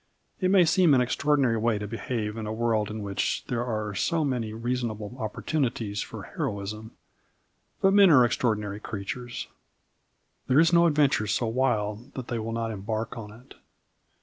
It may seem an extraordinary way to behave in a world in which there are so many reasonable opportunities for heroism, but men are extraordinary creatures. There is no adventure so wild that they will not embark on it.